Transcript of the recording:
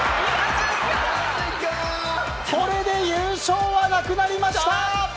これで優勝はなくなりました。